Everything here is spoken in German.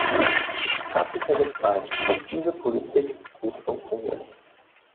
Es hat sich ja gezeigt, dass diese Politik gut funktioniert?